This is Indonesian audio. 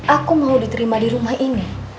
aku mau diterima di rumah ini